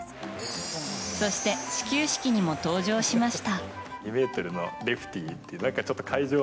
そして、始球式にも登場しました。